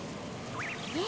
え。